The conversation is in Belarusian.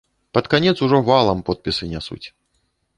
Пад канец ужо валам подпісы нясуць!